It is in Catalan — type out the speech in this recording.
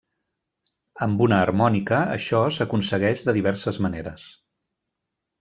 Amb una harmònica això s'aconsegueix de diverses maneres.